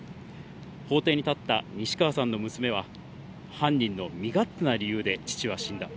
法廷に立った西川さんの娘は、犯人の身勝手な理由で父は死んだ。